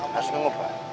harus nunggu pak